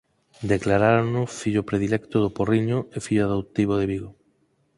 Declarárono fillo predilecto do Porriño e fillo adoptivo de Vigo.